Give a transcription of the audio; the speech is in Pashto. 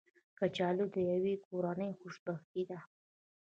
کچالو د یوې کورنۍ خوشبختي ده